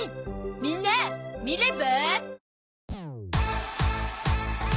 みんな見れば？